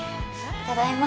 ただいま